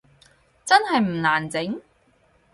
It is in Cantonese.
真係唔難整？